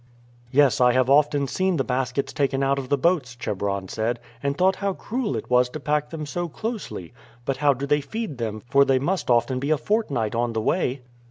"Yes, I have often seen the baskets taken out of the boats," Chebron said, "and thought how cruel it was to pack them so closely. But how do they feed them for they must often be a fortnight on the way?"